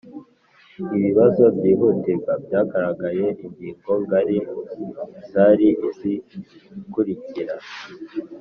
Ibibazo byihutirwa byagaragaye ingingo ngari zari izikurikira